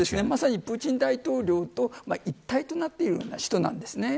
まさにプーチン大統領と一体となっているような人なんです。